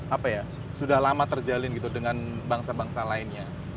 apa ya sudah lama terjalin gitu dengan bangsa bangsa lainnya